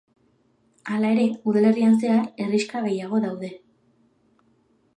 Hala ere, udalerrian zehar herrixka gehiago daude.